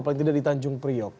paling tidak di tanjung priok